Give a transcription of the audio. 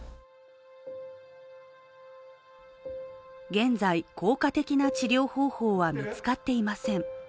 現在、効果的な治療方法は見つかっていません。